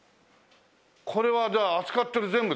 これはじゃあ扱ってる全部ですね？